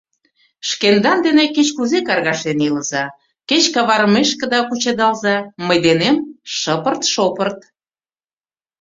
Шкендан дене кеч-кузе каргашен илыза, кеч каварымешкыда кучедалза, мый денем — шыпырт-шопырт!